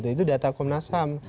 itu data komnas ham